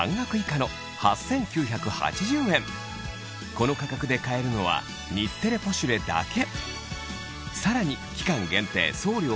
この価格で買えるのは『日テレポシュレ』だけ！